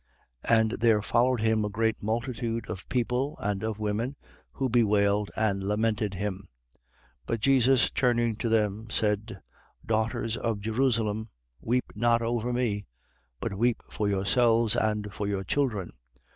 23:27. And there followed him a great multitude of people and of women, who bewailed and lamented him. 23:28. But Jesus turning to them, said: Daughters of Jerusalem, weep not over me; but weep for yourselves and for your children.